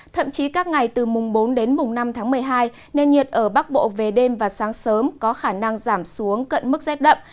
thậm chí các ngày từ mùng bốn đến mùng năm tháng một mươi hai nền nhiệt ở bắc bộ về đêm và sáng sớm có khả năng giảm xuống cận mức rét đậm